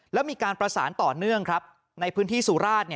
แล้วมีการประสานต่อเนื่องครับในพื้นที่สุราช